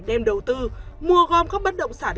đem đầu tư mua gom các bất động sản